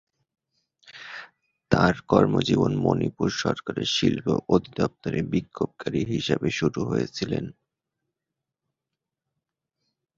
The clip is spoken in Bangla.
তার কর্মজীবন মণিপুর সরকারের শিল্প অধিদপ্তরে বিক্ষোভকারী হিসাবে শুরু হয়েছিলেন।